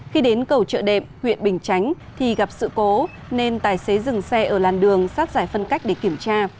khi đến cầu trợ đệm huyện bình chánh thì gặp sự cố nên tài xế dừng xe ở làn đường sát giải phân cách để kiểm tra